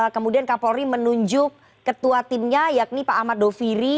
kemudian kapolri menunjuk ketua timnya yakni pak ahmad doviri